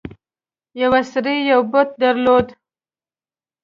یو سړي یو بت درلود.